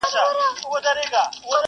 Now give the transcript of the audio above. که په لاري کي دي مل و